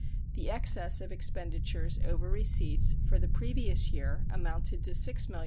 The excess of expenditures over receipts for the previous year amounted to $6,437,992.